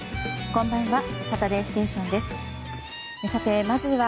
こんばんは。